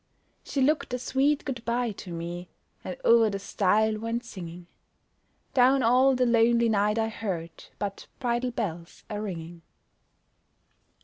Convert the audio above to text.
She looked a sweet good bye to me, And o'er the stile went singing. Down all the lonely night I heard But bridal bells a ringing.